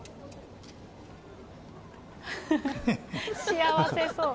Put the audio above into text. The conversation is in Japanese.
幸せそう。